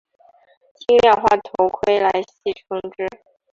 轻量化头盔来戏称之。